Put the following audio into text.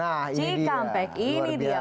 nah ini dia luar biasa